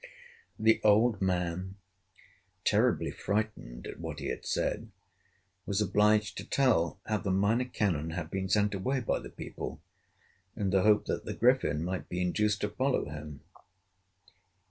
The old man, terribly frightened at what he had said, was obliged to tell how the Minor Canon had been sent away by the people, in the hope that the Griffin might be induced to follow him.